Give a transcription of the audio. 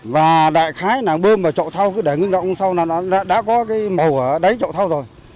và đại khái bơm vào chậu thau cứ để ngưng động sau đó nó đã có màu ở đáy chậu thau rồi